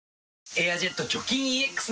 「エアジェット除菌ＥＸ」